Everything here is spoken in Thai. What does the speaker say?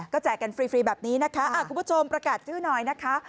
แจกกันฟรีแบบนี้นะคะคุณผู้ชมประกาศชื่อหน่อยนะคะ